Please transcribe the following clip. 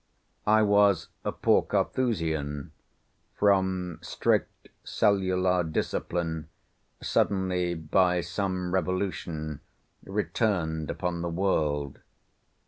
I was a poor Carthusian, from strict cellular discipline suddenly by some revolution returned upon the world.